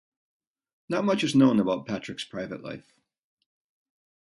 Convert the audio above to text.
Not much is known about Patrick's private life.